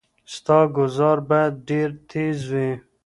ستا ګوزار باید ډیر تېز وي.